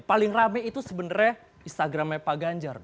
paling rame itu sebenarnya instagramnya pak ganjar